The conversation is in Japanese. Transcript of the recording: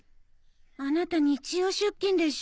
アナタ日曜出勤でしょ。